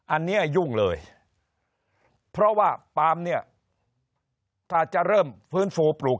อันนี้ยุ่งเลยเพราะว่าปาล์มเนี่ยถ้าจะเริ่มฟื้นฟูปลูก